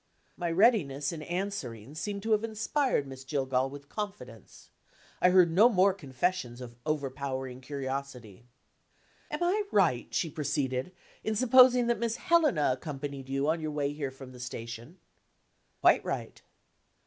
My readiness in answering seemed to have inspired Miss Jillgall with confidence. I heard no more confessions of overpowering curiosity. "Am I right," she proceeded, "in supposing that Miss Helena accompanied you on your way here from the station?" "Quite right."